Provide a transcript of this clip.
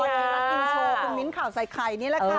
รับติดโชว์คุณมิ้นข่าวใส่ไข